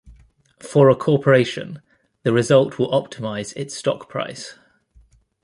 For a corporation, the result will optimize its stock price.